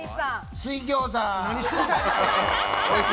水餃子！